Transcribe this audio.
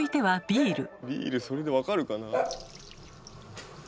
ビールそれで分かるかなあ。